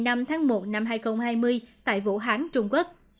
ngày năm tháng một năm hai nghìn hai mươi tại vũ hán trung quốc